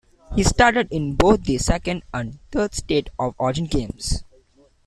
He started in both the second and third State of Origin games.